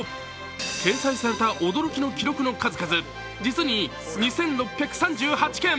掲載された驚きの記録の数々、実に２６３８件。